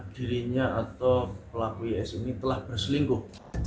dirinya atau pelaku is ini telah berselingkuh